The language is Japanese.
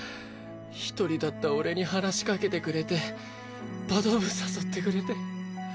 一人だった俺に話しかけてくれてバド部誘ってくれて。